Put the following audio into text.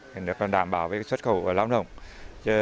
thì được đảm bảo về xuất khẩu và lao động